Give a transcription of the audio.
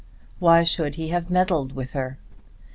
Why should he have meddled with her?